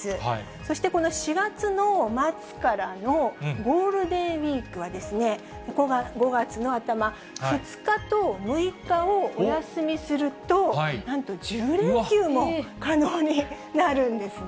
そしてこの４月の末からのゴールデンウィークは、ここが５月の頭、２日と６日をお休みすると、なんと１０連休も可能になるんですね。